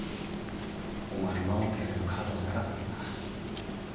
お前を守ってやれる体じゃなかったからな。